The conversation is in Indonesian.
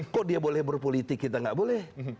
kok dia boleh berpolitik kita nggak boleh